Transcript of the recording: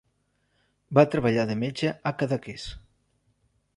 Va treballar de metge a Cadaqués.